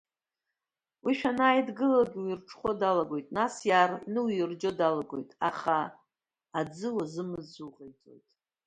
Уи шәанынидгылалакь уирҽхәо далагоит, нас иаарҳәны уирџьо далагоит, аха аӡы уазымыӡәӡәо уҟаиҵоит.